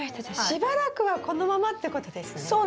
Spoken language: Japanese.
じゃあしばらくはこのままってことですね。